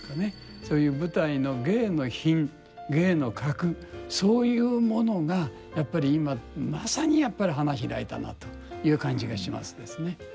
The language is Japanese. そういう舞台の芸の品芸の格そういうものがやっぱり今まさにやっぱり花開いたなという感じがしますですね。